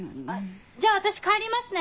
じゃあ私帰りますね。